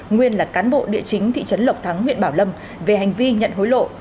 nguyên là cán bộ địa chính thị trấn lộc thắng huyện bảo lâm về hành vi nhận hối lộ